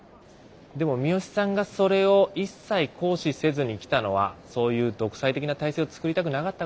でも三芳さんがそれを一切行使せずにきたのはそういう独裁的な体制を作りたくなかったからじゃないのかな。